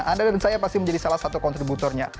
anda dan saya pasti menjadi salah satu kontributornya